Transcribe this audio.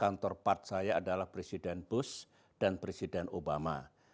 kantor part saya adalah presiden bush dan presiden obama